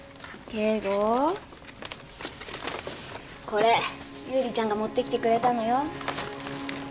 これ優里ちゃんが持ってきてくれたのよ。